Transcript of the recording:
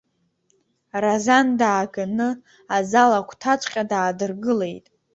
Разан дааганы азал агәҭаҵәҟьа даадыргылеит.